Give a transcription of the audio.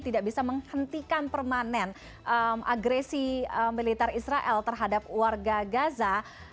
tidak bisa menghentikan permanen agresi militer israel terhadap warga gaza